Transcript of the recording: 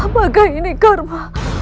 apakah ini karma